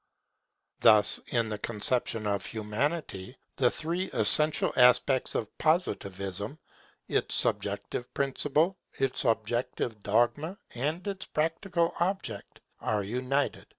Thus, in the conception of Humanity, the three essential aspects of Positivism, its subjective principle, its objective dogma, and its practical object, are united.